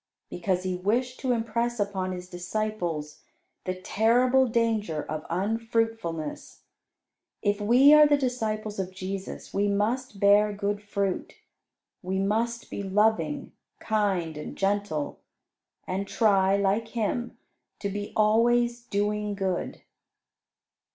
Because He wished to impress upon His disciples the terrible danger of unfruitfulness. If we are the disciples of Jesus, we must bear good fruit; we must be loving, kind, and gentle, and try, like Him, to be always doing good.